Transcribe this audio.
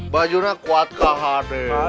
bikin agak belum ya